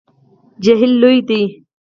جهیل لوی دی